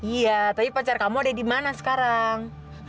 iya tapi pacar kamu ada di mana sekarang